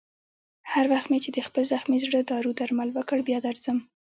هر وخت مې چې د خپل زخمي زړه دارو درمل وکړ، بیا درځم.